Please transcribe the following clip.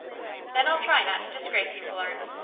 "Then I'll try not to disgrace you, Florence.